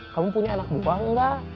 kamu punya anak buah enggak